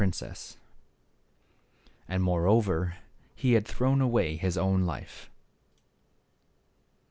cess, and, moreover, he had thrown away his own life.